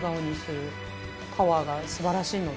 が素晴らしいので。